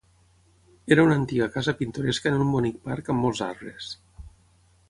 Era una antiga casa pintoresca en un bonic parc amb molts arbres.